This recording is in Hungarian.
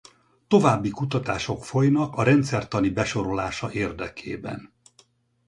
További kutatások folynak a rendszertani besorolása érdekében.